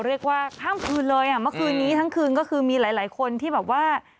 เรียกว่าข้ามคืนเลยอ่ะเมื่อคืนนี้ทั้งคืนก็คือมีหลายหลายคนที่แบบว่า